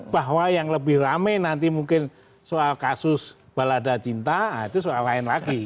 bahwa yang lebih rame nanti mungkin soal kasus balada cinta itu soal lain lagi